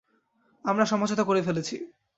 আমরা সমঝোতা করে ফেলেছি।